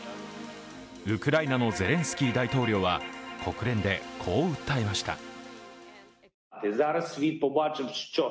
ウクライナのゼレンスキー大統領は国連で、こう訴えました。